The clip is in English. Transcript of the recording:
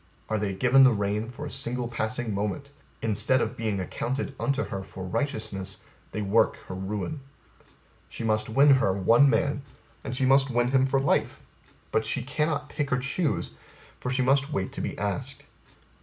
Are they given the rein for a single passing moment, instead of being accounted unto her for righteousness, they work her ruin. She must win her one man, and she must win him for life; but she cannot pick or choose, for she must wait to be asked.